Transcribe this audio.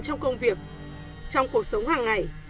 trong công việc trong cuộc sống hàng ngày